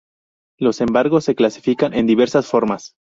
Los embargos se clasifican en diversas formas.